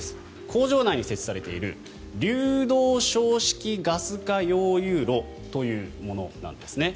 工場内に設置されている流動床式ガス化溶融炉というものなんですね。